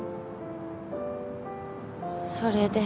それで。